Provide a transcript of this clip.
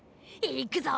いくぞ！